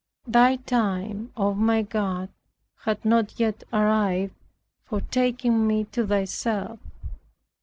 Thy time, O my God, had not yet arrived for taking me to Thyself.